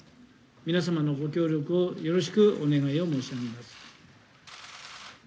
皆様のご協力を、よろしくお願いを申し上げます。